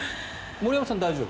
森山さんは大丈夫？